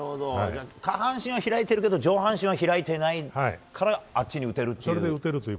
下半身は開いているけど上半身は開いていないからあっちに打てるという。